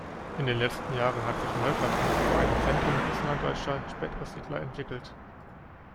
In den letzten Jahren hat sich Neugablonz zu einem Zentrum russlanddeutscher Spätaussiedler entwickelt.